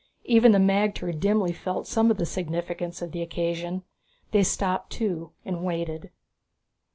Even the magter dimly felt some of the significance of the occasion. They stopped too and waited.